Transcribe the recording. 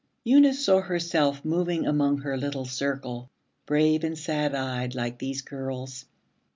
Eunice saw herself moving among her little circle, brave and sad eyed like these girls.